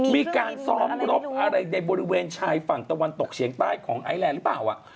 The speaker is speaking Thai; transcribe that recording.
มีการซ้อมรบอะไรในบริเวณชายฝั่งตะวันตกเฉียงใต้ของไอแลนด์หรือเปล่า